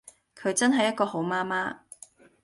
佢真係一個好媽媽